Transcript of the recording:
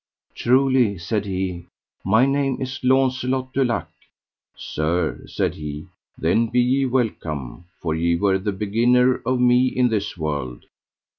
Truly, said he, my name is Launcelot du Lake. Sir, said he, then be ye welcome, for ye were the beginner of me in this world.